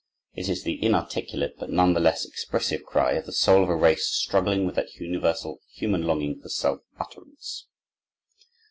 It is the inarticulate, but none the less expressive, cry of the soul of a race struggling with that universal human longing for self utterance.